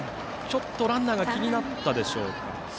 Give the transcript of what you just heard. ちょっとランナーが気になったでしょうか？